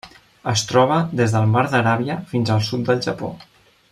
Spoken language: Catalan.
Es troba des del Mar d'Aràbia fins al sud del Japó.